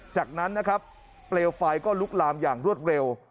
จากนั้นนะครับเปลวไฟก็ลุกลามอย่างรวดเร็ว